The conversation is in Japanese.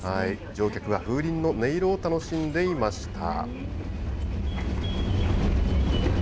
乗客は風鈴の音色を楽しんでいました。